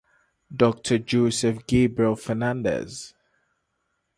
Doctor Joseph Gabriel Fernandez.